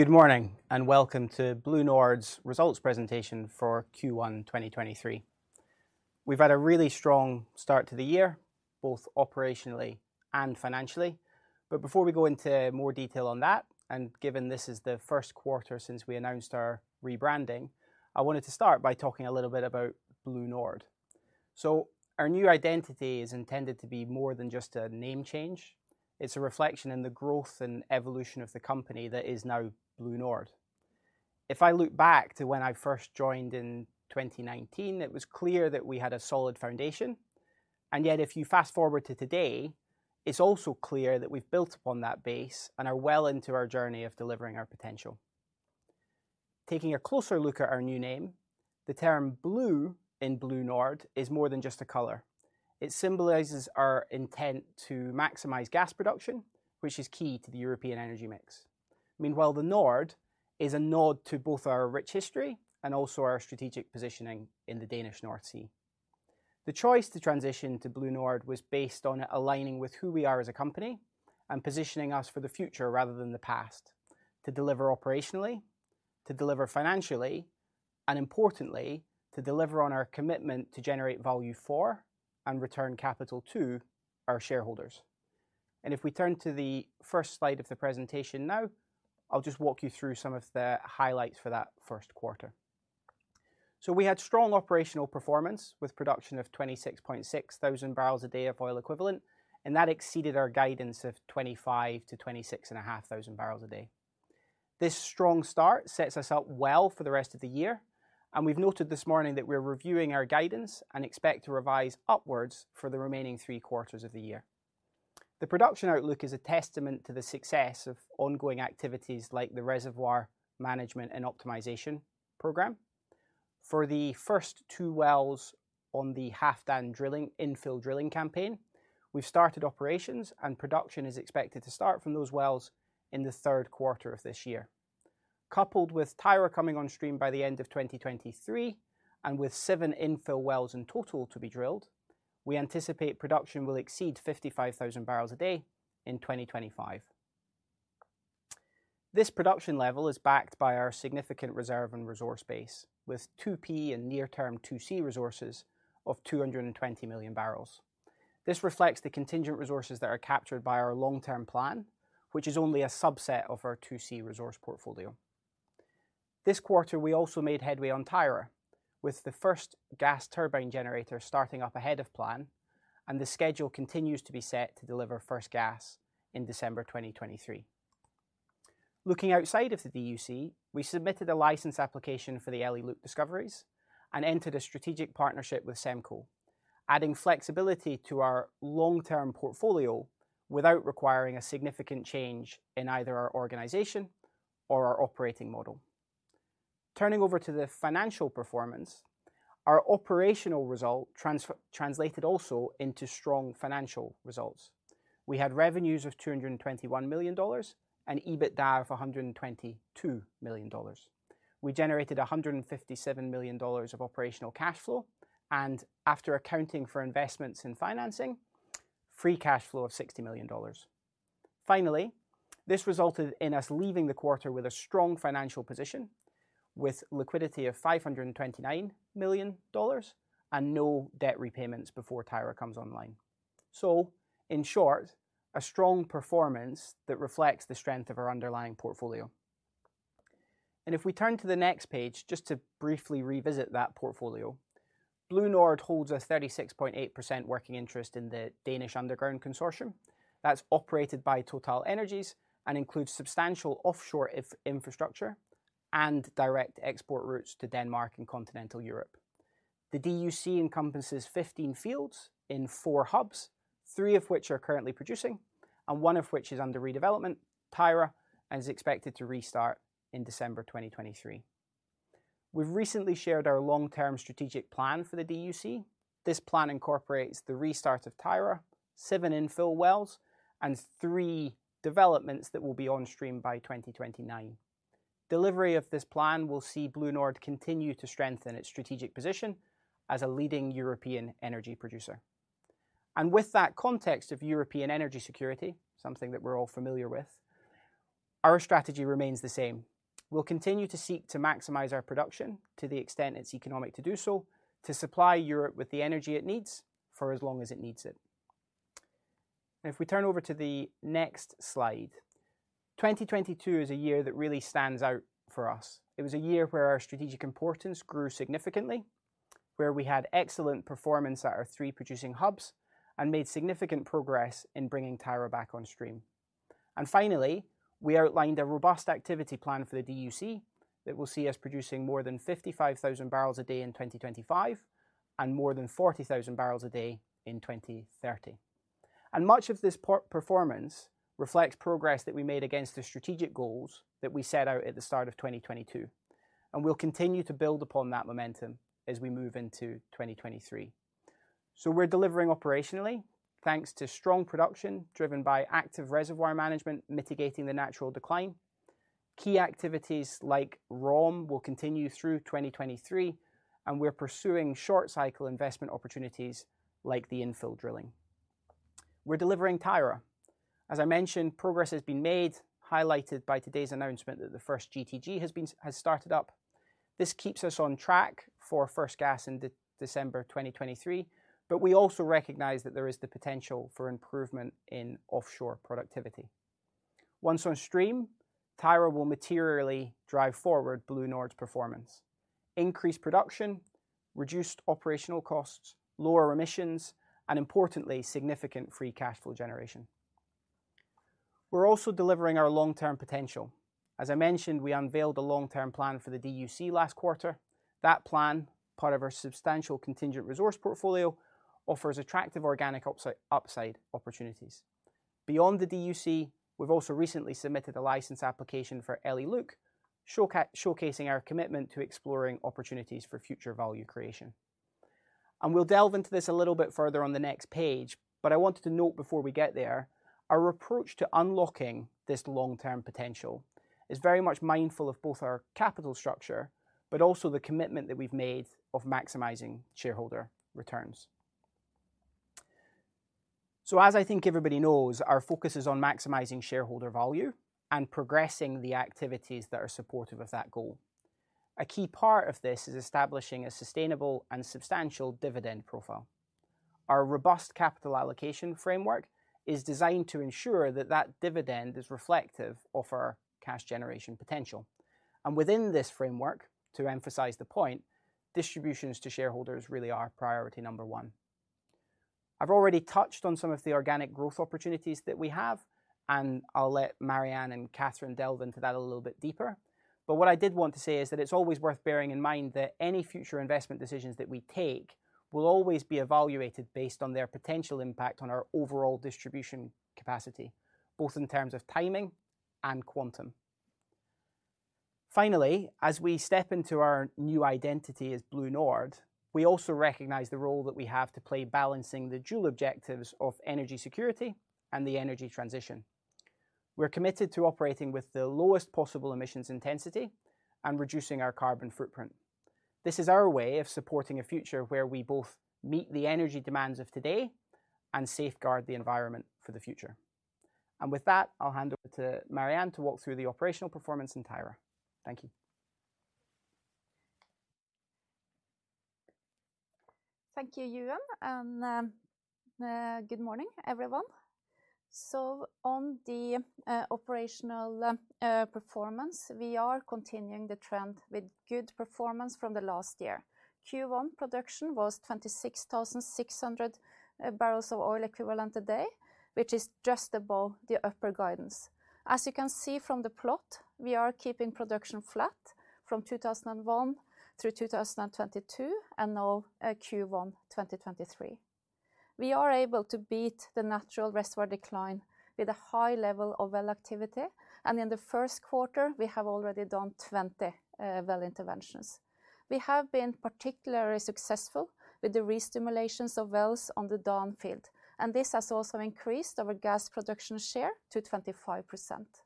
Good morning, welcome to BlueNord's results presentation for Q1 2023. We've had a really strong start to the year, both operationally and financially. Before we go into more detail on that, and given this is the first quarter since we announced our rebranding, I wanted to start by talking a little bit about BlueNord. Our new identity is intended to be more than just a name change. It's a reflection in the growth and evolution of the company that is now BlueNord. If I look back to when I first joined in 2019, it was clear that we had a solid foundation. Yet if you fast-forward to today, it's also clear that we've built upon that base and are well into our journey of delivering our potential. Taking a closer look at our new name, the term blue in BlueNord is more than just a color. It symbolizes our intent to maximize gas production, which is key to the European energy mix. Meanwhile, the Nord is a nod to both our rich history and also our strategic positioning in the Danish North Sea. The choice to transition to BlueNord was based on aligning with who we are as a company and positioning us for the future rather than the past, to deliver operationally, to deliver financially, and importantly, to deliver on our commitment to generate value for and return capital to our shareholders. If we turn to the first slide of the presentation now, I'll just walk you through some of the highlights for that first quarter. We had strong operational performance with production of 26.6 thousand barrels a day of oil equivalent. That exceeded our guidance of 25-26.5 thousand barrels a day. This strong start sets us up well for the rest of the year. We've noted this morning that we're reviewing our guidance and expect to revise upwards for the remaining three quarters of the year. The production outlook is a testament to the success of ongoing activities like the Reservoir Management and Optimization program. For the first two wells on the Halfdan drilling, infill drilling campaign, we've started operations. Production is expected to start from those wells in the third quarter of this year. Coupled with Tyra coming on stream by the end of 2023 and with seven infill wells in total to be drilled, we anticipate production will exceed 55,000 barrels a day in 2025. This production level is backed by our significant reserve and resource base with 2P and near-term 2C resources of 220 million barrels. This reflects the contingent resources that are captured by our long-term plan, which is only a subset of our 2C resource portfolio. This quarter, we also made headway on Tyra, with the first gas turbine generator starting up ahead of plan. The schedule continues to be set to deliver first gas in December 2023. Looking outside of the DUC, we submitted a license application for the Elly-Luke discoveries and entered a strategic partnership with Semco Maritime, adding flexibility to our long-term portfolio without requiring a significant change in either our organization or our operating model. Turning over to the financial performance, our operational result translated also into strong financial results. We had revenues of $221 million and EBITDA of $122 million. We generated $157 million of operational cash flow and, after accounting for investments in financing, free cash flow of $60 million. This resulted in us leaving the quarter with a strong financial position with liquidity of $529 million and no debt repayments before Tyra comes online. In short, a strong performance that reflects the strength of our underlying portfolio. If we turn to the next page, just to briefly revisit that portfolio, BlueNord holds a 36.8% working interest in the Danish Underground Consortium that's operated by TotalEnergies and includes substantial offshore infrastructure and direct export routes to Denmark and continental Europe. The DUC encompasses 15 fields in four hubs, three of which are currently producing, and one of which is under redevelopment, Tyra, and is expected to restart in December 2023. We've recently shared our long-term strategic plan for the DUC. This plan incorporates the restart of Tyra, seven infill wells, and three developments that will be on stream by 2029. Delivery of this plan will see BlueNord continue to strengthen its strategic position as a leading European energy producer. With that context of European energy security, something that we're all familiar with, our strategy remains the same. We'll continue to seek to maximize our production to the extent it's economic to do so, to supply Europe with the energy it needs for as long as it needs it. If we turn over to the next slide, 2022 is a year that really stands out for us. It was a year where our strategic importance grew significantly, where we had excellent performance at our three producing hubs and made significant progress in bringing Tyra back on stream. Finally, we outlined a robust activity plan for the DUC that will see us producing more than 55,000 barrels a day in 2025 and more than 40,000 barrels a day in 2030. Much of this performance reflects progress that we made against the strategic goals that we set out at the start of 2022, and we'll continue to build upon that momentum as we move into 2023. We're delivering operationally, thanks to strong production driven by active reservoir management mitigating the natural decline. Key activities like ROM will continue through 2023, and we're pursuing short cycle investment opportunities like the infill drilling. We're delivering Tyra. As I mentioned, progress has been made, highlighted by today's announcement that the first GTG has started up. This keeps us on track for first gas in December 2023, but we also recognize that there is the potential for improvement in offshore productivity. Once on stream, Tyra will materially drive forward BlueNord's performance, increase production, reduce operational costs, lower emissions, and importantly, significant free cash flow generation. We're also delivering our long-term potential. As I mentioned, we unveiled the long-term plan for the DUC last quarter. That plan, part of our substantial contingent resource portfolio, offers attractive organic upside opportunities. Beyond the DUC, we've also recently submitted a license application for Elly-Luke, showcasing our commitment to exploring opportunities for future value creation. We'll delve into this a little bit further on the next page, but I wanted to note before we get there, our approach to unlocking this long-term potential is very much mindful of both our capital structure, but also the commitment that we've made of maximizing shareholder returns. As I think everybody knows, our focus is on maximizing shareholder value and progressing the activities that are supportive of that goal. A key part of this is establishing a sustainable and substantial dividend profile. Our robust capital allocation framework is designed to ensure that dividend is reflective of our cash generation potential. Within this framework, to emphasize the point, distributions to shareholders really are priority number one. I've already touched on some of the organic growth opportunities that we have, and I'll let Marianne and Cathrine delve into that a little bit deeper. What I did want to say is that it's always worth bearing in mind that any future investment decisions that we take will always be evaluated based on their potential impact on our overall distribution capacity, both in terms of timing and quantum. As we step into our new identity as BlueNord, we also recognize the role that we have to play balancing the dual objectives of energy security and the energy transition. We're committed to operating with the lowest possible emissions intensity and reducing our carbon footprint. This is our way of supporting a future where we both meet the energy demands of today and safeguard the environment for the future. With that, I'll hand over to Marianne to walk through the operational performance in Tyra. Thank you. Thank you, Ewan. Good morning, everyone. On the operational performance, we are continuing the trend with good performance from the last year. Q1 production was 26,600 barrels of oil equivalent a day, which is just above the upper guidance. As you can see from the plot, we are keeping production flat from 2001 through 2022 and now Q1 2023. We are able to beat the natural reservoir decline with a high level of well activity, and in the first quarter, we have already done 20 well interventions. We have been particularly successful with the re-stimulations of wells on the Dan field, and this has also increased our gas production share to 25%.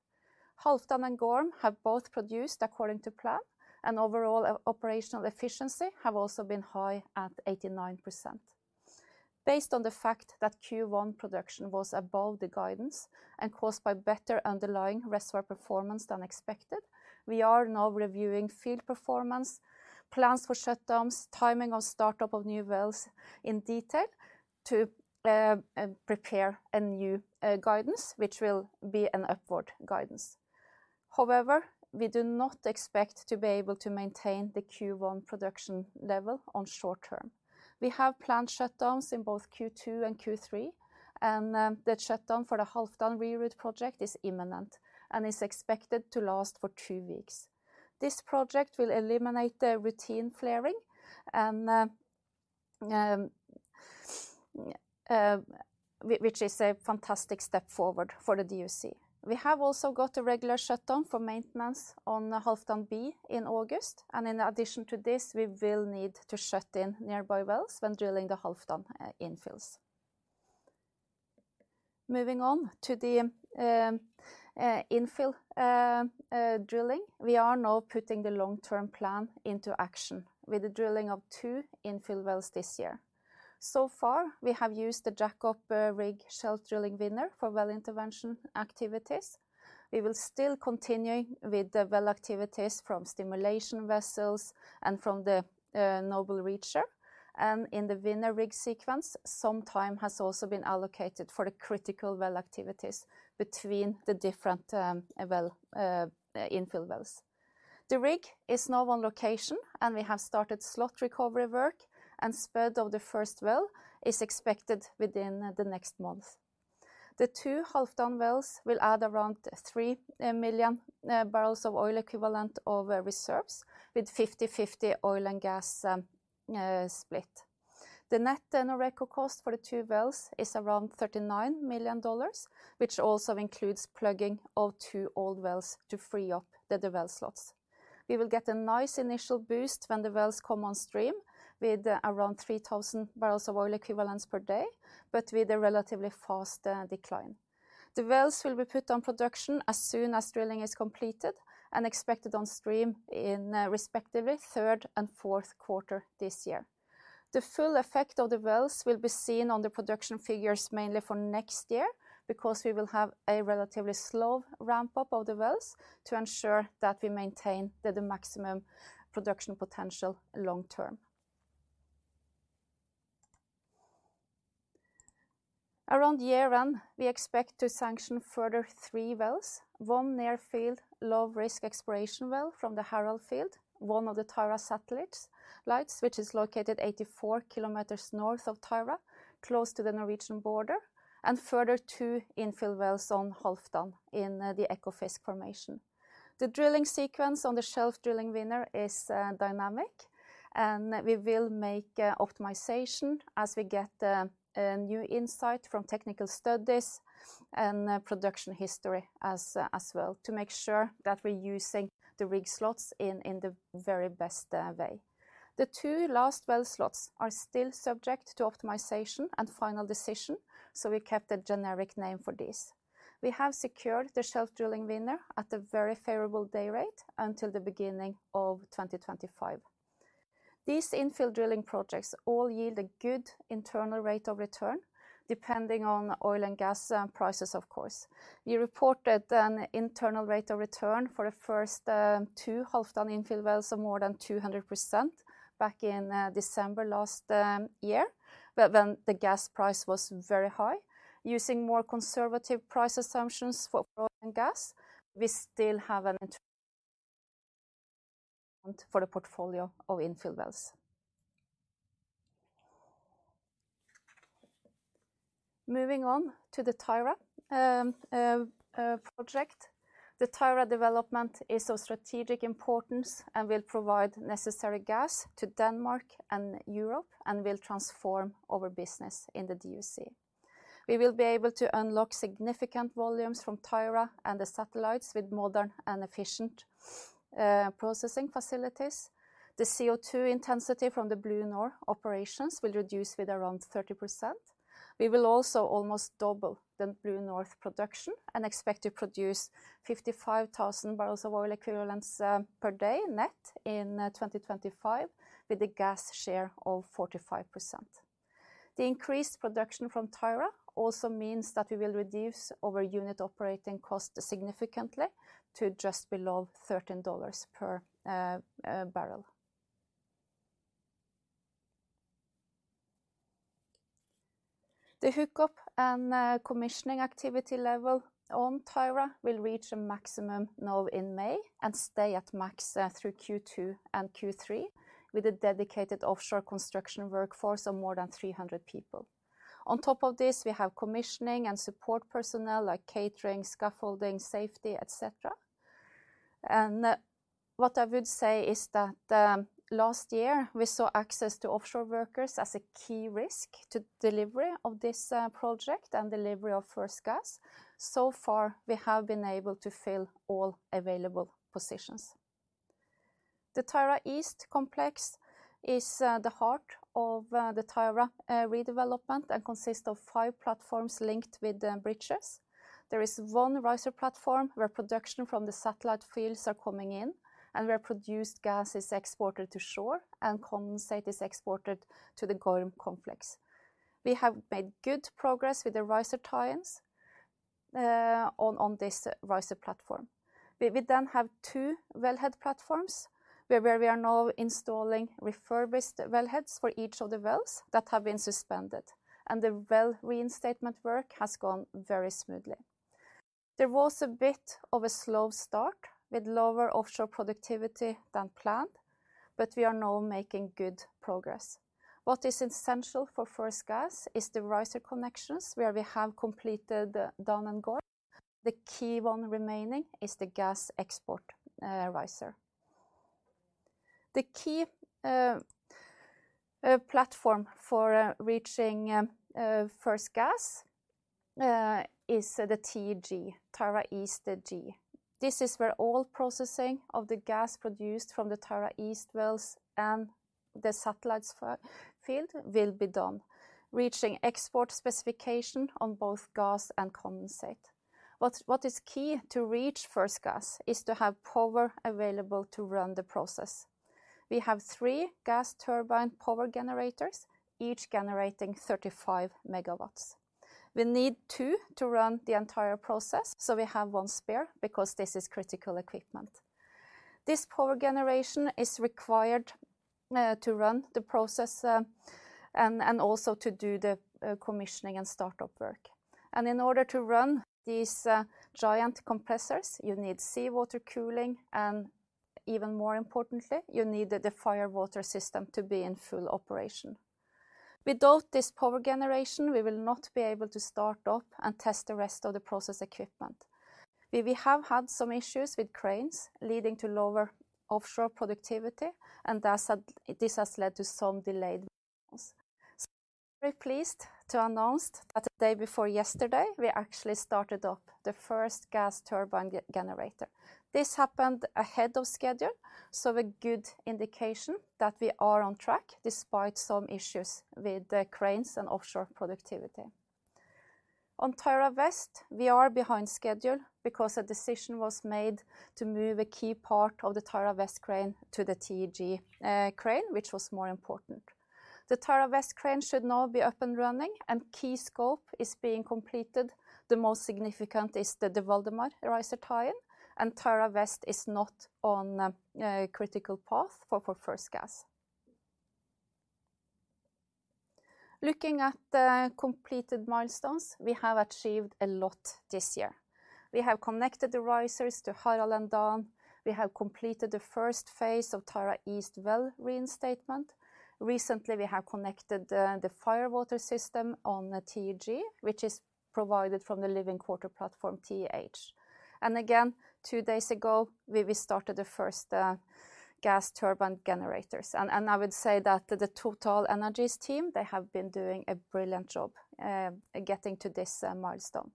Halfdan and Gorm have both produced according to plan, and overall operational efficiency have also been high at 89%. Based on the fact that Q1 production was above the guidance and caused by better underlying reservoir performance than expected, we are now reviewing field performance, plans for shutdowns, timing of startup of new wells in detail to prepare a new guidance, which will be an upward guidance. We do not expect to be able to maintain the Q1 production level on short term. We have planned shutdowns in both Q2 and Q3, and the shutdown for the Halfdan re-route project is imminent and is expected to last for two weeks. This project will eliminate the routine flaring and which is a fantastic step forward for the DUC. We have also got a regular shutdown for maintenance on the Halfdan in August, and in addition to this, we will need to shut in nearby wells when drilling the Halfdan infills. Moving on to the infill drilling. We are now putting the long-term plan into action with the drilling of two infill wells this year. So far, we have used the jackup rig Shelf Drilling Winner for well intervention activities. We will still continuing with the well activities from stimulation vessels and from the Noble Reacher. In the Winner rig sequence, some time has also been allocated for the critical well activities between the different well infill wells. The rig is now on location, and we have started slot recovery work, and spud of the first well is expected within the next month. The two Halfdan wells will add around 3 million barrels of oil equivalent of reserves with 50/50 oil and gas split. The net BlueNord cost for the two wells is around $39 million, which also includes plugging of two old wells to free up the other well slots. We will get a nice initial boost when the wells come on stream with around 3,000 barrels of oil equivalents per day, but with a relatively fast decline. The wells will be put on production as soon as drilling is completed and expected on stream in respectively third and fourth quarter this year. The full effect of the wells will be seen on the production figures mainly for next year, because we will have a relatively slow ramp-up of the wells to ensure that we maintain the maximum production potential long term. Around year-end, we expect to sanction further three wells, one near field low risk exploration well from the Harald field, one of the Tyra satellites, which is located 84 km north of Tyra, close to the Norwegian border, and further two infill wells on Halfdan in the Ekofisk formation. The drilling sequence on the Shelf Drilling Winner is dynamic, and we will make optimization as we get new insight from technical studies and production history as well to make sure that we're using the rig slots in the very best way. The 2 last well slots are still subject to optimization and final decision, we kept a generic name for this. We have secured the Shelf Drilling Winner at a very favorable day rate until the beginning of 2025. These infill drilling projects all yield a good internal rate of return depending on oil and gas prices, of course. We reported an internal rate of return for the first two Halfdan infill wells of more than 200% back in December last year. The gas price was very high. Using more conservative price assumptions for oil and gas, we still have an for the portfolio of infill wells. Moving on to the Tyra project. The Tyra development is of strategic importance and will provide necessary gas to Denmark and Europe, and will transform our business in the DUC. We will be able to unlock significant volumes from Tyra and the satellites with modern and efficient processing facilities. The CO2 intensity from the BlueNord operations will reduce with around 30%. We will also almost double the BlueNord production and expect to produce 55,000 barrels of oil equivalents per day net in 2025 with a gas share of 45%. The increased production from Tyra also means that we will reduce our unit operating cost significantly to just below $13 per barrel. The hookup and commissioning activity level on Tyra will reach a maximum now in May and stay at max through Q2 and Q3 with a dedicated offshore construction workforce of more than 300 people. Top of this, we have commissioning and support personnel like catering, scaffolding, safety, et cetera. What I would say is that last year we saw access to offshore workers as a key risk to delivery of this project and delivery of first gas. Far, we have been able to fill all available positions. The Tyra East complex is the heart of the Tyra redevelopment and consists of five platforms linked with the bridges. There is 1 riser platform where production from the satellite fields are coming in and where produced gas is exported to shore and condensate is exported to the Gorm complex. We have made good progress with the riser tie-ins on this riser platform. We then have two wellhead platforms where we are now installing refurbished wellheads for each of the wells that have been suspended, and the well reinstatement work has gone very smoothly. There was a bit of a slow start with lower offshore productivity than planned, but we are now making good progress. What is essential for first gas is the riser connections where we have completed Dan and Gorm. The key one remaining is the gas export riser. The key platform for reaching first gas is the TEG, Tyra East G. This is where all processing of the gas produced from the Tyra East wells and the satellites field will be done, reaching export specification on both gas and condensate. What is key to reach first gas is to have power available to run the process. We have three gas turbine power generators, each generating 35 megawatts. We need two to run the entire process, so we have one spare because this is critical equipment. This power generation is required to run the process and also to do the commissioning and startup work. In order to run these giant compressors, you need seawater cooling and even more importantly, you need the fire water system to be in full operation. Without this power generation, we will not be able to start up and test the rest of the process equipment. We have had some issues with cranes leading to lower offshore productivity, and thus this has led to some delayed. We're pleased to announce that the day before yesterday we actually started up the first gas turbine generator. This happened ahead of schedule, so a good indication that we are on track despite some issues with the cranes and offshore productivity. On Tyra West, we are behind schedule because a decision was made to move a key part of the Tyra West crane to the TEG crane, which was more important. The Tyra West crane should now be up and running. Key scope is being completed. The most significant is the Valdemar riser tie-in. Tyra West is not on critical path for first gas. Looking at the completed milestones, we have achieved a lot this year. We have connected the risers to Harald and Dan. We have completed the first phase of Tyra East well reinstatement. Recently, we have connected the fire water system on the TEG, which is provided from the living quarter platform TH. Again, two days ago, we restarted the first gas turbine generators. I would say that the TotalEnergies team, they have been doing a brilliant job getting to this milestone.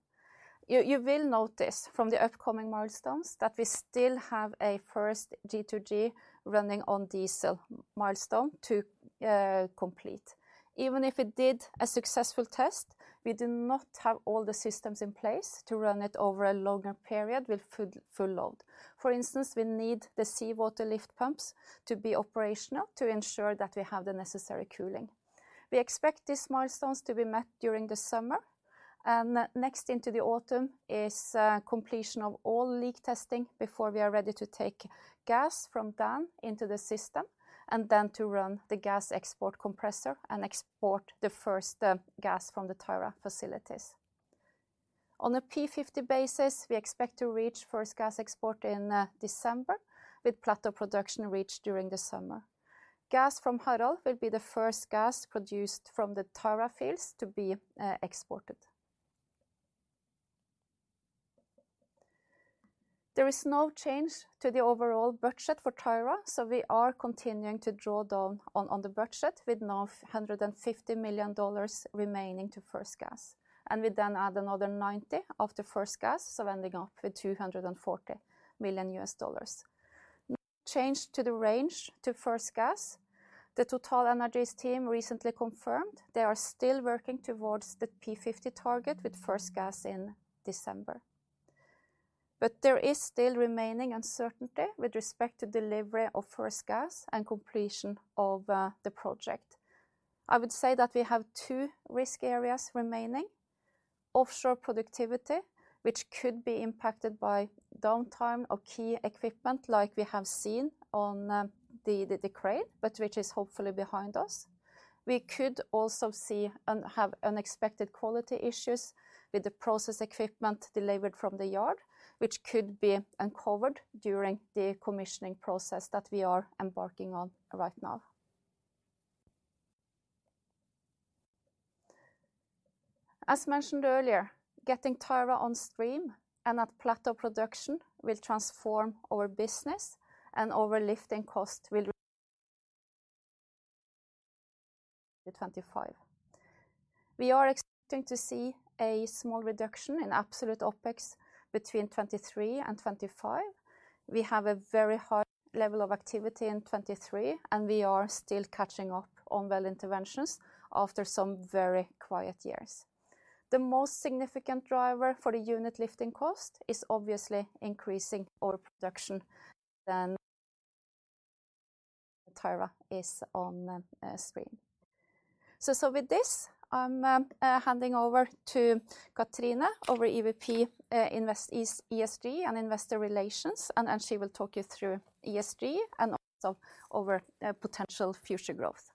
You will notice from the upcoming milestones that we still have a first G2G running on diesel milestone to complete. Even if it did a successful test, we do not have all the systems in place to run it over a longer period with full load. For instance, we need the seawater lift pumps to be operational to ensure that we have the necessary cooling. We expect these milestones to be met during the summer, next into the autumn is completion of all leak testing before we are ready to take gas from Dan into the system and then to run the gas export compressor and export the first gas from the Tyra facilities. On a P50 basis, we expect to reach first gas export in December with plateau production reached during the summer. Gas from Harald will be the first gas produced from the Tyra fields to be exported. There is no change to the overall budget for Tyra. We are continuing to draw down on the budget with now $150 million remaining to first gas. We then add another 90 of the first gas, ending up with $240 million. Change to the range to first gas. The TotalEnergies team recently confirmed they are still working towards the P50 target with first gas in December. There is still remaining uncertainty with respect to delivery of first gas and completion of the project. I would say that we have 2 risk areas remaining. Offshore productivity, which could be impacted by downtime of key equipment like we have seen on the crane, but which is hopefully behind us. We could also see have unexpected quality issues with the process equipment delivered from the yard, which could be uncovered during the commissioning process that we are embarking on right now. As mentioned earlier, getting Tyra on stream and at plateau production will transform our business and our lifting cost will 25. We are expecting to see a small reduction in absolute OpEx between 2023 and 2025. We have a very high level of activity in 2023, and we are still catching up on well interventions after some very quiet years. The most significant driver for the unit lifting cost is obviously increasing oil production than Tyra is on stream. With this, I'm handing over to Cathrine over EVP, ESG and Investor Relations, and she will talk you through ESG and also over potential future growth.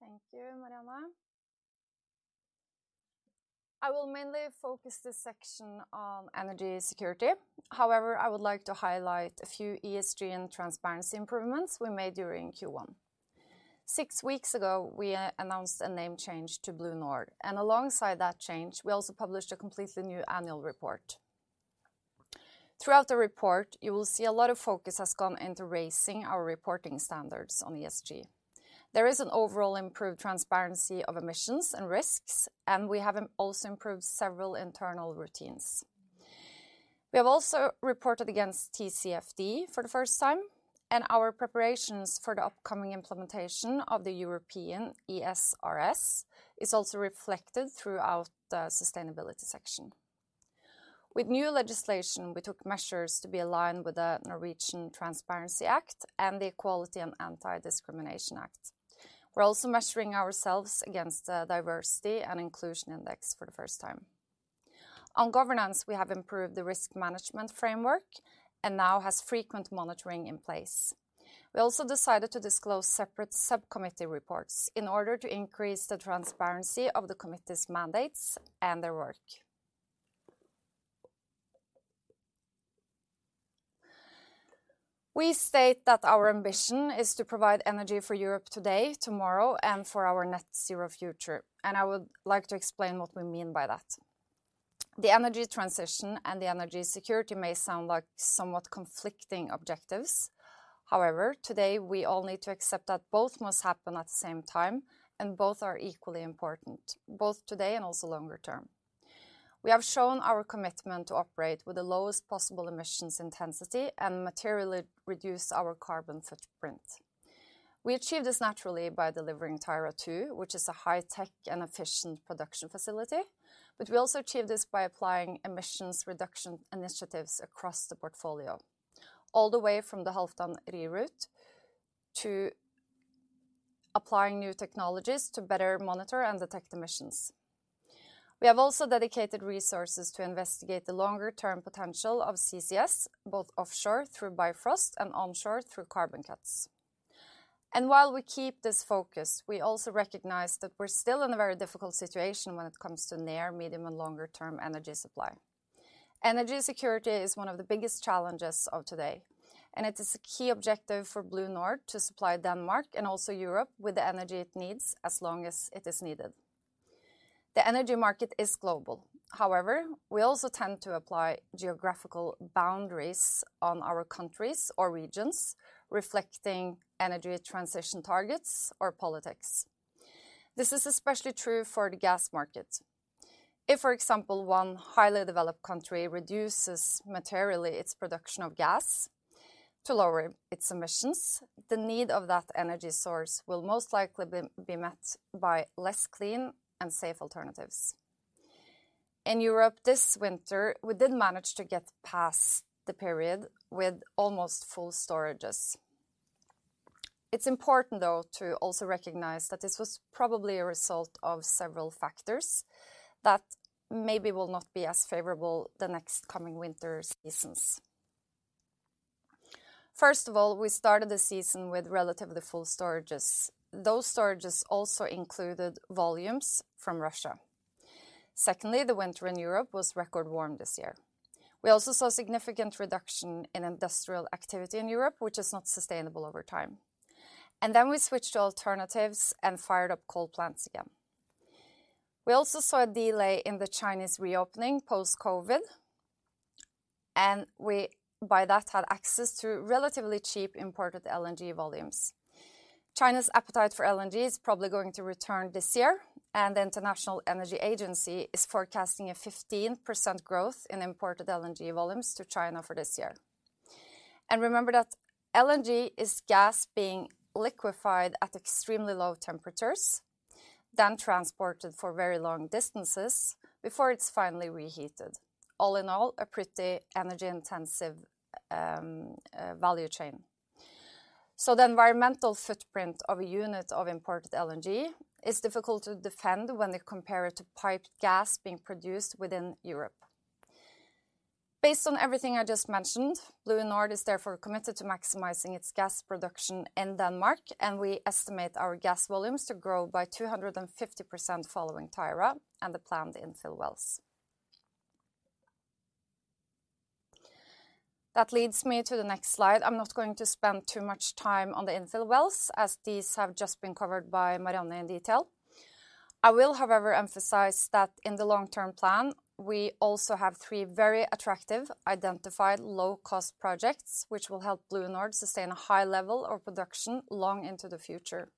Thank you, Marianne. I will mainly focus this section on energy security. However, I would like to highlight a few ESG and transparency improvements we made during Q1. Six weeks ago, we announced a name change to BlueNord, and alongside that change, we also published a completely new annual report. Throughout the report, you will see a lot of focus has gone into raising our reporting standards on ESG. There is an overall improved transparency of emissions and risks, and we have also improved several internal routines. We have also reported against TCFD for the first time, and our preparations for the upcoming implementation of the European ESRS is also reflected throughout the sustainability section. With new legislation, we took measures to be aligned with the Norwegian Transparency Act and the Equality and Anti-Discrimination Act. We're also measuring ourselves against the Diversity and Inclusion Index for the first time. On governance, we have improved the risk management framework and now has frequent monitoring in place. We also decided to disclose separate subcommittee reports in order to increase the transparency of the committee's mandates and their work. We state that our ambition is to provide energy for Europe today, tomorrow, and for our net zero future, and I would like to explain what we mean by that. The energy transition and the energy security may sound like somewhat conflicting objectives. However, today, we all need to accept that both must happen at the same time and both are equally important, both today and also longer term. We have shown our commitment to operate with the lowest possible emissions intensity and materially reduce our carbon footprint. We achieve this naturally by delivering Tyra II, which is a high-tech and efficient production facility. We also achieve this by applying emissions reduction initiatives across the portfolio, all the way from the Halfdan re-route to applying new technologies to better monitor and detect emissions. We have also dedicated resources to investigate the longer-term potential of CCS, both offshore through Bifrost and onshore through CarbonCuts. While we keep this focus, we also recognize that we're still in a very difficult situation when it comes to near, medium, and longer-term energy supply. Energy security is one of the biggest challenges of today, and it is a key objective for BlueNord to supply Denmark and also Europe with the energy it needs as long as it is needed. The energy market is global. We also tend to apply geographical boundaries on our countries or regions reflecting energy transition targets or politics. This is especially true for the gas market. If, for example, one highly developed country reduces materially its production of gas to lower its emissions, the need of that energy source will most likely be met by less clean and safe alternatives. In Europe this winter, we did manage to get past the period with almost full storages. It's important, though, to also recognize that this was probably a result of several factors that maybe will not be as favorable the next coming winter seasons. First of all, we started the season with relatively full storages. Those storages also included volumes from Russia. Secondly, the winter in Europe was record warm this year. We also saw significant reduction in industrial activity in Europe, which is not sustainable over time. Then we switched to alternatives and fired up coal plants again. We also saw a delay in the Chinese reopening post-COVID, we by that had access to relatively cheap imported LNG volumes. China's appetite for LNG is probably going to return this year, the International Energy Agency is forecasting a 15% growth in imported LNG volumes to China for this year. Remember that LNG is gas being liquefied at extremely low temperatures, then transported for very long distances before it's finally reheated. All in all, a pretty energy-intensive value chain. The environmental footprint of a unit of imported LNG is difficult to defend when you compare it to piped gas being produced within Europe. Based on everything I just mentioned, BlueNord is therefore committed to maximizing its gas production in Denmark. We estimate our gas volumes to grow by 250% following Tyra and the planned infill wells. That leads me to the next slide. I'm not going to spend too much time on the infill wells, as these have just been covered by Marianne in detail. I will, however, emphasize that in the long-term plan, we also have three very attractive identified low-cost projects which will help BlueNord sustain a high level of production long into the future.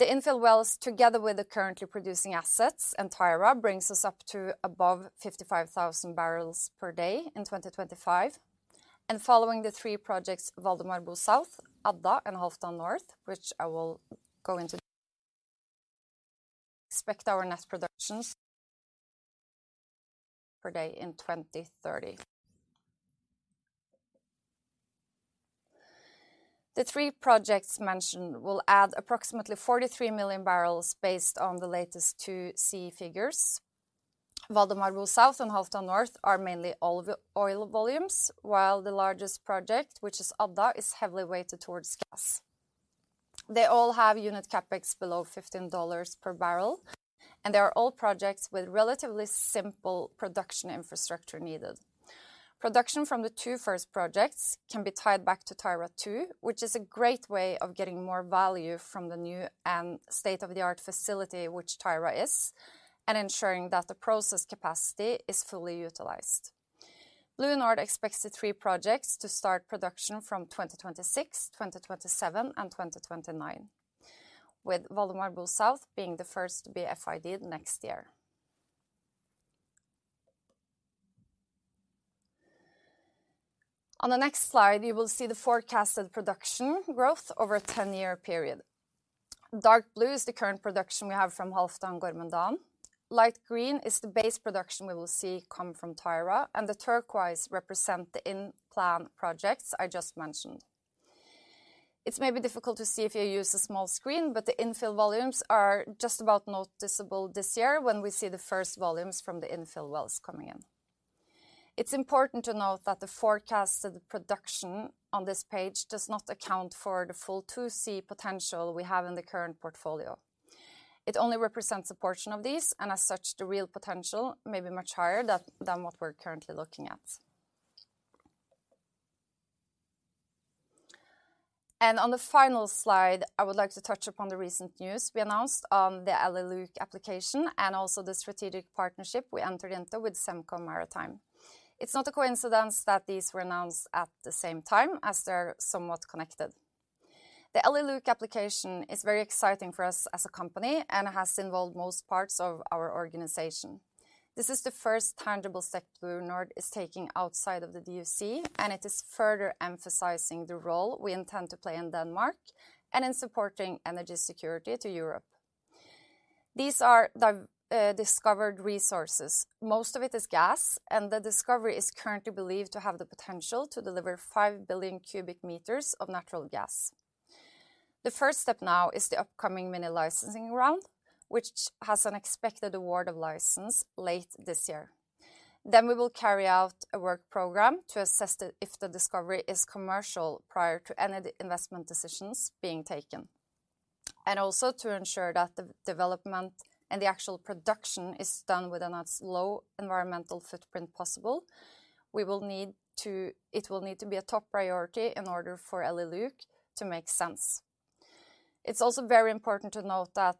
The infill wells, together with the currently producing assets and Tyra, brings us up to above 55,000 barrels per day in 2025. Following the three projects, Valdemar Bo South, Adda, and Halfdan North, expect our net productions per day in 2030. The three projects mentioned will add approximately 43 million barrels based on the latest 2C figures. Valdemar Bo South and Halfdan North are mainly oil volumes, while the largest project, which is Adda, is heavily weighted towards gas. They all have unit CapEx below $15 per barrel, and they are all projects with relatively simple production infrastructure needed. Production from the two first projects can be tied back to Tyra-2, which is a great way of getting more value from the new and state-of-the-art facility which Tyra is and ensuring that the process capacity is fully utilized. BlueNord expects the three projects to start production from 2026, 2027, and 2029, with Valdemar Bo South being the first to be FID-ed next year. On the next slide, you will see the forecasted production growth over a 10-year period. Dark blue is the current production we have from Halfdan, Gorm, Dan. Light green is the base production we will see come from Tyra, and the turquoise represent the in-plan projects I just mentioned. It's maybe difficult to see if you use a small screen, but the infill volumes are just about noticeable this year when we see the first volumes from the infill wells coming in. It's important to note that the forecasted production on this page does not account for the full 2C potential we have in the current portfolio. It only represents a portion of these, and as such, the real potential may be much higher than what we're currently looking at. On the final slide, I would like to touch upon the recent news we announced on the Elly-Luke application and also the strategic partnership we entered into with Semco Maritime. It's not a coincidence that these were announced at the same time as they're somewhat connected. The Elly-Luke application is very exciting for us as a company and has involved most parts of our organization. This is the first tangible step BlueNord is taking outside of the DUC, and it is further emphasizing the role we intend to play in Denmark and in supporting energy security to Europe. These are discovered resources. Most of it is gas, and the discovery is currently believed to have the potential to deliver 5 billion cubic meters of natural gas. The first step now is the upcoming mini-licensing round, which has an expected award of license late this year. We will carry out a work program to assess if the discovery is commercial prior to any investment decisions being taken, and also to ensure that the development and the actual production is done with an as low environmental footprint possible. It will need to be a top priority in order for Elly-Luke to make sense. It's also very important to note that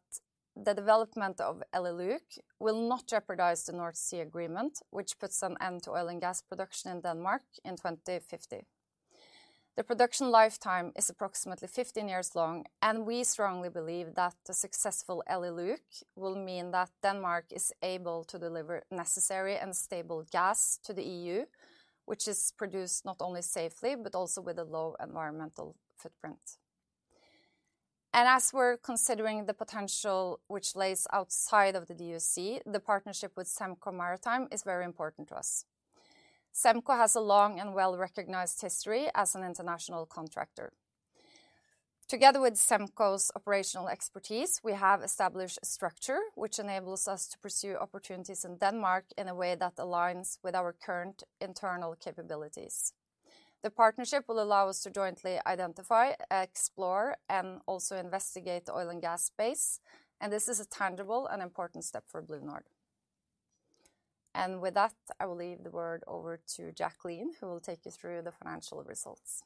the development of Elly-Luke will not jeopardize the North Sea Agreement, which puts an end to oil and gas production in Denmark in 2050. The production lifetime is approximately 15 years long. We strongly believe that the successful Elly-Luke will mean that Denmark is able to deliver necessary and stable gas to the EU, which is produced not only safely, but also with a low environmental footprint. As we're considering the potential which lays outside of the DUC, the partnership with Semco Maritime is very important to us. Semco has a long and well-recognized history as an international contractor. Together with Semco's operational expertise, we have established a structure which enables us to pursue opportunities in Denmark in a way that aligns with our current internal capabilities. The partnership will allow us to jointly identify, explore, and also investigate the oil and gas space. This is a tangible and important step for BlueNord. With that, I will leave the word over to Jacqueline, who will take you through the financial results.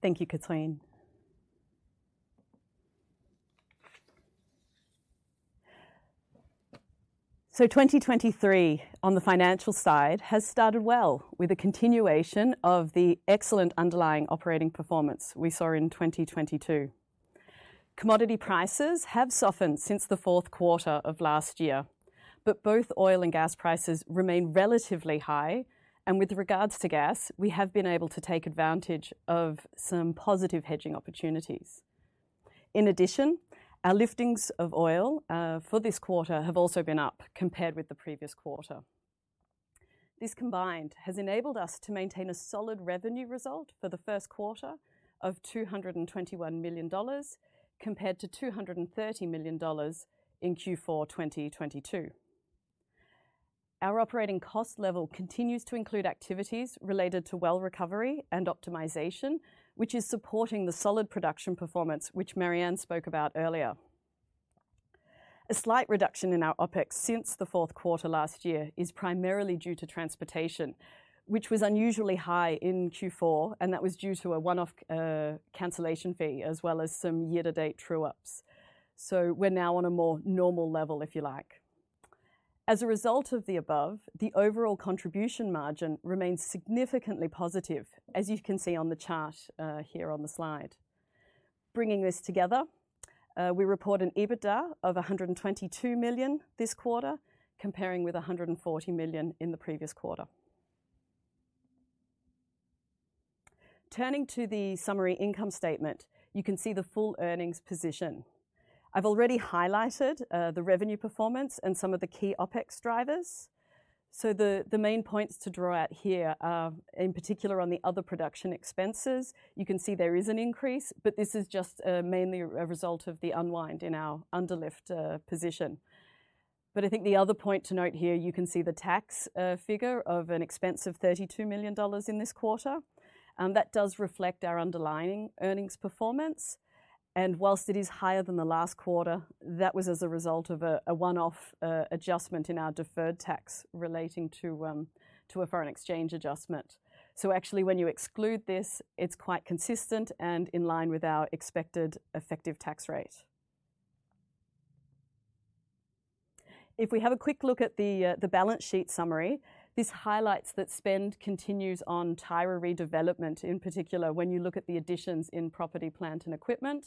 Thank you, Cathrine. 2023 on the financial side has started well with a continuation of the excellent underlying operating performance we saw in 2022. Commodity prices have softened since the fourth quarter of last year, but both oil and gas prices remain relatively high, and with regards to gas, we have been able to take advantage of some positive hedging opportunities. In addition, our liftings of oil for this quarter have also been up compared with the previous quarter. This combined has enabled us to maintain a solid revenue result for the first quarter of $221 million compared to $230 million in Q4 2022. Our operating cost level continues to include activities related to well recovery and optimization, which is supporting the solid production performance which Marianne spoke about earlier. A slight reduction in our OpEx since the fourth quarter last year is primarily due to transportation, which was unusually high in Q4, and that was due to a one-off cancellation fee, as well as some year-to-date true-ups. We're now on a more normal level, if you like. As a result of the above, the overall contribution margin remains significantly positive, as you can see on the chart here on the slide. Bringing this together, we report an EBITDA of $122 million this quarter, comparing with $140 million in the previous quarter. Turning to the summary income statement, you can see the full earnings position. I've already highlighted the revenue performance and some of the key OpEx drivers. The main points to draw out here are in particular on the other production expenses. You can see there is an increase, but this is just mainly a result of the unwind in our underlift position. I think the other point to note here, you can see the tax figure of an expense of $32 million in this quarter, that does reflect our underlying earnings performance. Whilst it is higher than the last quarter, that was as a result of a one-off adjustment in our deferred tax relating to a foreign exchange adjustment. Actually when you exclude this, it's quite consistent and in line with our expected effective tax rate. If we have a quick look at the balance sheet summary, this highlights that spend continues on Tyra redevelopment. In particular, when you look at the additions in property, plant, and equipment.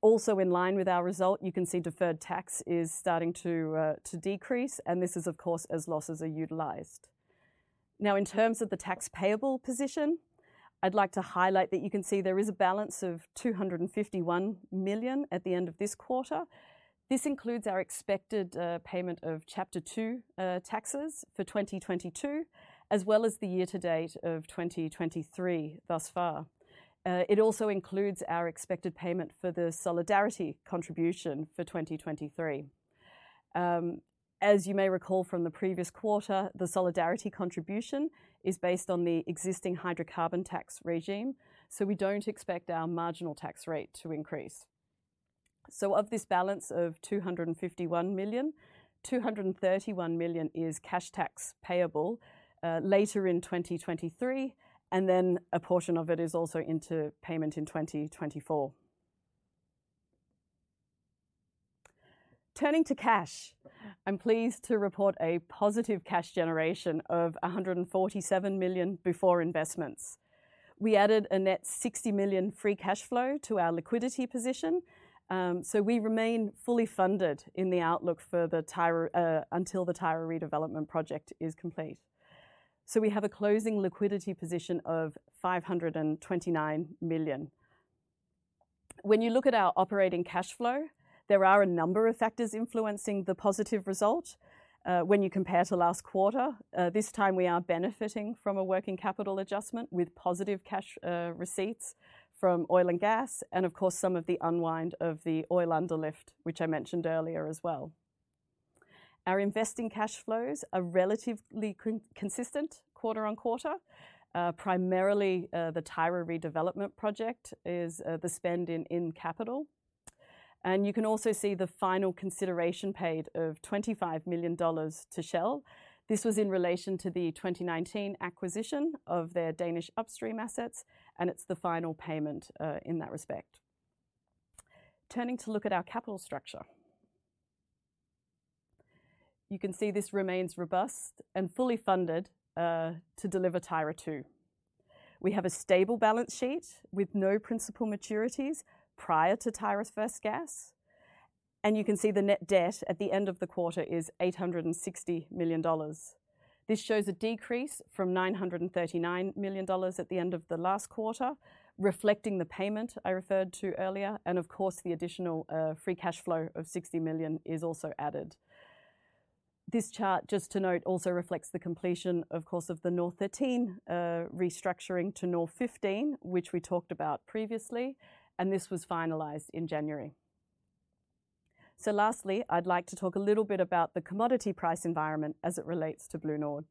Also in line with our result, you can see deferred tax is starting to decrease, and this is of course, as losses are utilized. Now, in terms of the tax payable position, I'd like to highlight that you can see there is a balance of $251 million at the end of this quarter. This includes our expected payment of Chapter two taxes for 2022, as well as the year to date of 2023 thus far. It also includes our expected payment for the solidarity contribution for 2023. As you may recall from the previous quarter, the solidarity contribution is based on the existing hydrocarbon tax regime, so we don't expect our marginal tax rate to increase. Of this balance of $251 million, $231 million is cash tax payable later in 2023, and then a portion of it is also into payment in 2024. Turning to cash, I'm pleased to report a positive cash generation of $147 million before investments. We added a net $60 million free cash flow to our liquidity position, so we remain fully funded in the outlook for the Tyra until the Tyra redevelopment project is complete. We have a closing liquidity position of $529 million. When you look at our operating cash flow, there are a number of factors influencing the positive result when you compare to last quarter. This time we are benefiting from a working capital adjustment with positive cash receipts from oil and gas and of course, some of the unwind of the oil underlift, which I mentioned earlier as well. Our investing cash flows are relatively consistent quarter-on-quarter. Primarily, the Tyra redevelopment project is the spend in capital. You can also see the final consideration paid of $25 million to Shell. This was in relation to the 2019 acquisition of their Danish upstream assets, and it's the final payment in that respect. Turning to look at our capital structure. You can see this remains robust and fully funded to deliver Tyra II. We have a stable balance sheet with no principal maturities prior to Tyra's first gas. You can see the net debt at the end of the quarter is $860 million. This shows a decrease from $939 million at the end of the last quarter, reflecting the payment I referred to earlier, and of course, the additional free cash flow of $60 million is also added. This chart, just to note, also reflects the completion, of course, of the NOR13 restructuring to NOR15, which we talked about previously, and this was finalized in January. Lastly, I'd like to talk a little bit about the commodity price environment as it relates to BlueNord.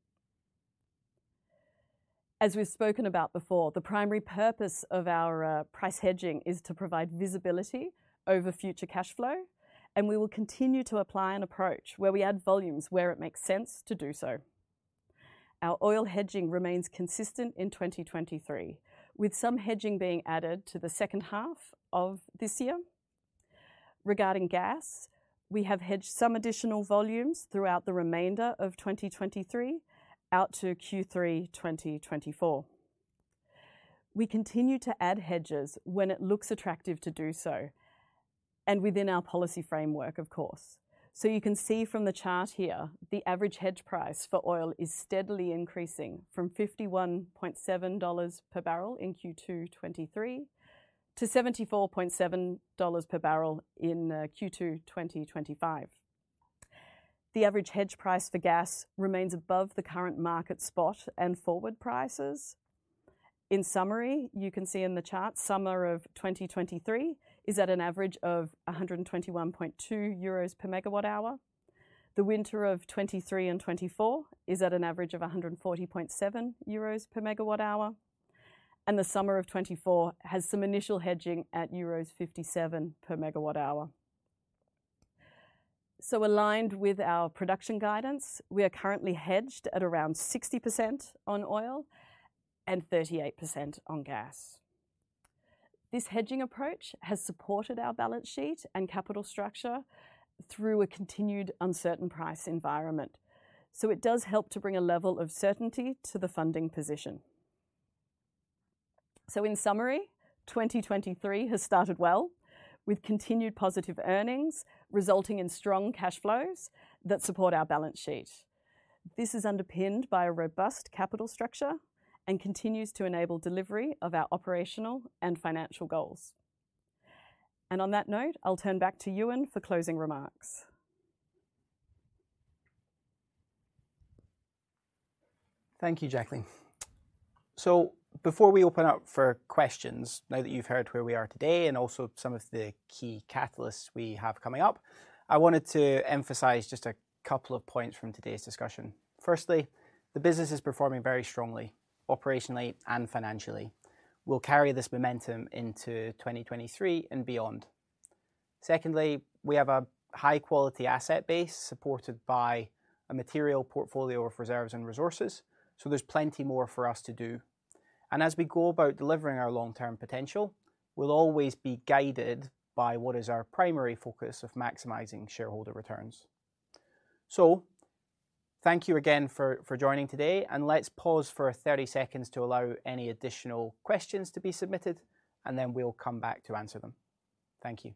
As we've spoken about before, the primary purpose of our price hedging is to provide visibility over future cash flow. We will continue to apply an approach where we add volumes where it makes sense to do so. Our oil hedging remains consistent in 2023, with some hedging being added to the second half of this year. Regarding gas, we have hedged some additional volumes throughout the remainder of 2023 out to Q3 2024. We continue to add hedges when it looks attractive to do so and within our policy framework, of course. You can see from the chart here, the average hedge price for oil is steadily increasing from $51.7 per barrel in Q2 2023 to $74.7 per barrel in Q2 2025. The average hedge price for gas remains above the current market spot and forward prices. In summary, you can see in the chart, summer of 2023 is at an average of 121.2 euros per megawatt hour. The winter of 2023 and 2024 is at an average of 140.7 euros per megawatt hour, and the summer of 2024 has some initial hedging at euros 57 per megawatt hour. Aligned with our production guidance, we are currently hedged at around 60% on oil and 38% on gas. This hedging approach has supported our balance sheet and capital structure through a continued uncertain price environment, so it does help to bring a level of certainty to the funding position. In summary, 2023 has started well with continued positive earnings, resulting in strong cash flows that support our balance sheet. This is underpinned by a robust capital structure and continues to enable delivery of our operational and financial goals. On that note, I'll turn back to Ewan for closing remarks. Thank you, Jacqueline. Before we open up for questions, now that you've heard where we are today and also some of the key catalysts we have coming up, I wanted to emphasize just a couple of points from today's discussion. Firstly, the business is performing very strongly, operationally and financially. We'll carry this momentum into 2023 and beyond. Secondly, we have a high-quality asset base supported by a material portfolio of reserves and resources, so there's plenty more for us to do. As we go about delivering our long-term potential, we'll always be guided by what is our primary focus of maximizing shareholder returns. Thank you again for joining today, and let's pause for 30 seconds to allow any additional questions to be submitted, and then we'll come back to answer them. Thank you.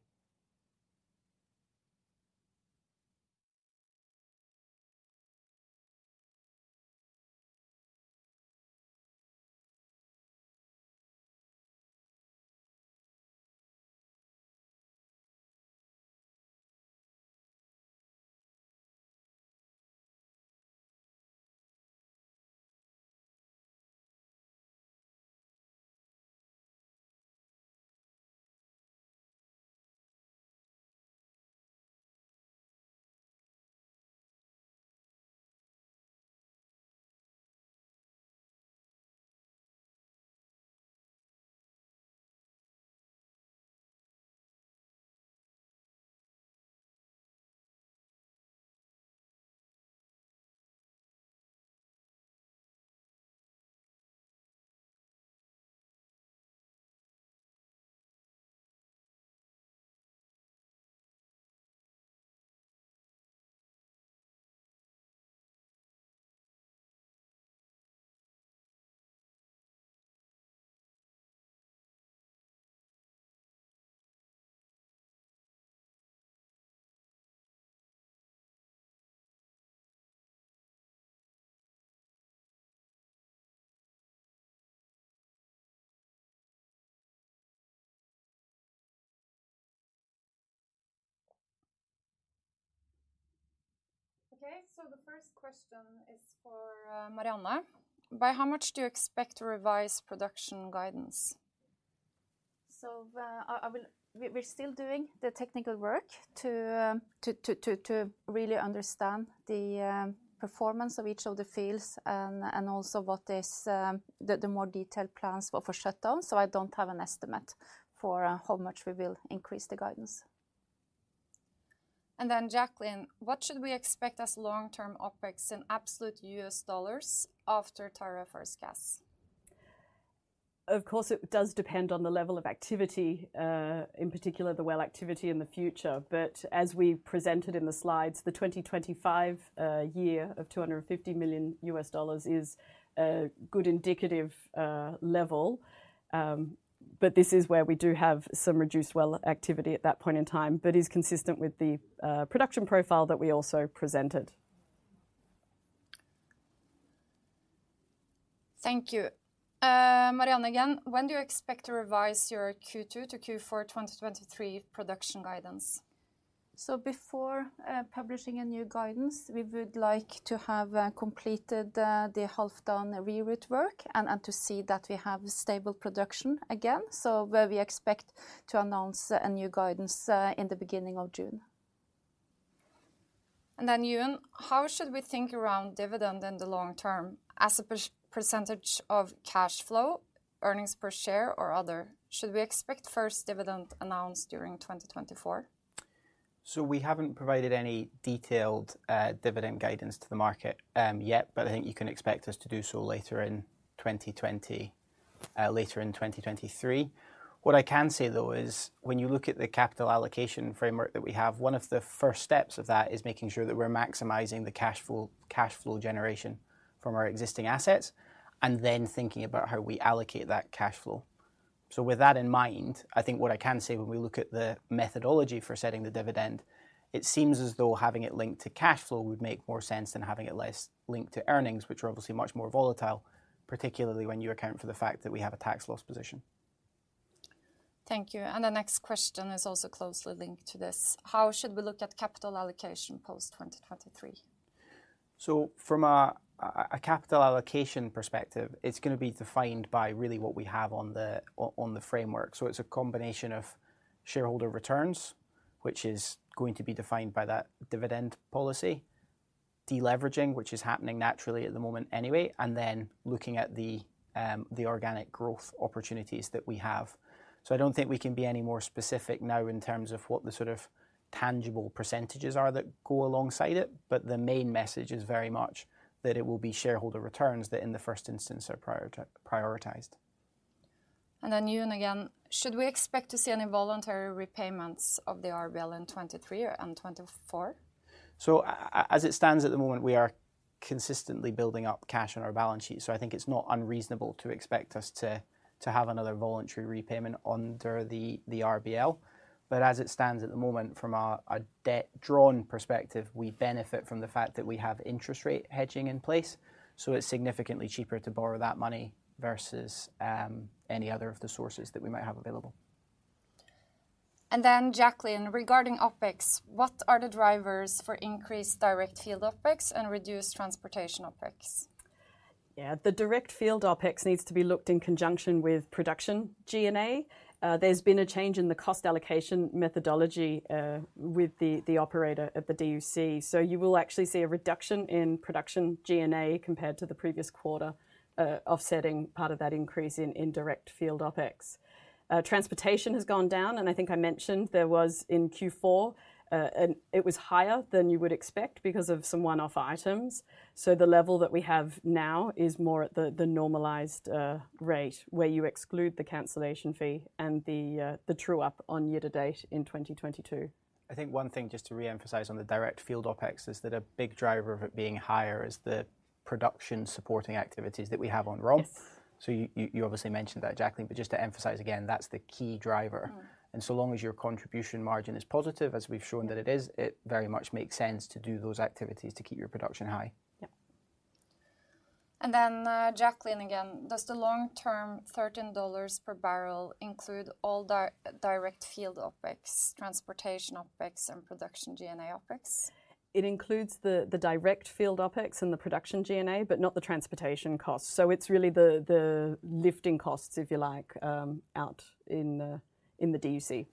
The first question is for Marianne. By how much do you expect to revise production guidance? We're still doing the technical work to really understand the performance of each of the fields and also what is the more detailed plans for shutdown. I don't have an estimate for how much we will increase the guidance. Jacqueline, what should we expect as long-term OpEx in absolute US dollars after Tyra First Gas? Of course, it does depend on the level of activity, in particular the well activity in the future. As we presented in the slides, the 2025 year of $250 million is a good indicative level. But this is where we do have some reduced well activity at that point in time, but is consistent with the production profile that we also presented. Thank you. Marianne again, when do you expect to revise your Q2 to Q4 2023 production guidance? Before publishing a new guidance, we would like to have completed the Halfdan re-route work and to see that we have stable production again. Where we expect to announce a new guidance in the beginning of June. Ewan, how should we think around dividend in the long term? As a percentage of cash flow, earnings per share, or other? Should we expect first dividend announced during 2024? We haven't provided any detailed dividend guidance to the market yet, but I think you can expect us to do so later in 2023. What I can say though is when you look at the capital allocation framework that we have, one of the first steps of that is making sure that we're maximizing the cash flow generation from our existing assets, and then thinking about how we allocate that cash flow. With that in mind, I think what I can say when we look at the methodology for setting the dividend, it seems as though having it linked to cash flow would make more sense than having it less linked to earnings, which are obviously much more volatile, particularly when you account for the fact that we have a tax loss position. Thank you. The next question is also closely linked to this. How should we look at capital allocation post 2023? From a capital allocation perspective, it's gonna be defined by really what we have on the, on the framework. It's a combination of shareholder returns, which is going to be defined by that dividend policy, de-leveraging, which is happening naturally at the moment anyway, and then looking at the organic growth opportunities that we have. I don't think we can be any more specific now in terms of what the sort of tangible percentages are that go alongside it, but the main message is very much that it will be shareholder returns that, in the first instance, are prioritized. Ewan again, should we expect to see any voluntary repayments of the RBL in 2023 or 2024? As it stands at the moment, we are consistently building up cash on our balance sheet, so I think it's not unreasonable to expect us to have another voluntary repayment under the RBL. As it stands at the moment from a debt drawn perspective, we benefit from the fact that we have interest rate hedging in place, so it's significantly cheaper to borrow that money versus any other of the sources that we might have available. Jacqueline, regarding OpEx, what are the drivers for increased direct field OpEx and reduced transportation OpEx? Yeah. The direct field OpEx needs to be looked in conjunction with production G&A. There's been a change in the cost allocation methodology with the operator at the DUC. You will actually see a reduction in production G&A compared to the previous quarter, offsetting part of that increase in indirect field OpEx. Transportation has gone down, and I think I mentioned there was in Q4, it was higher than you would expect because of some one-off items. The level that we have now is more at the normalized rate, where you exclude the cancellation fee and the true up on year-to-date in 2022. I think one thing just to reemphasize on the direct field OpEx is that a big driver of it being higher is the production supporting activities that we have on Roar. Yes. You obviously mentioned that, Jacqueline, but just to emphasize again, that's the key driver. Mm-hmm. So long as your contribution margin is positive, as we've shown that it is, it very much makes sense to do those activities to keep your production high. Yeah. Jacqueline again, does the long term $13 per barrel include all direct field OpEx, transportation OpEx, and production G&A OpEx? It includes the direct field OpEx and the production G&A, but not the transportation costs. It's really the lifting costs, if you like, out in the DUC.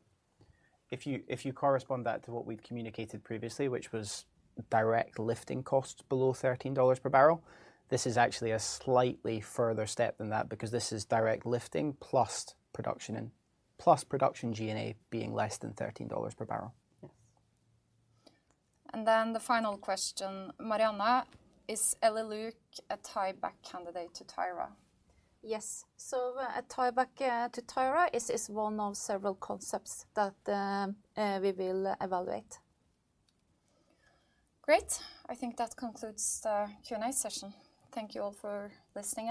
If you correspond that to what we've communicated previously, which was direct lifting costs below $13 per barrel, this is actually a slightly further step than that because this is direct lifting plus production and plus production G&A being less than $13 per barrel. Yes. The final question. Marianne, is Elly-Luke a tieback candidate to Tyra? Yes. A tieback to Tyra is one of several concepts that we will evaluate. Great. I think that concludes the Q&A session. Thank you all for listening.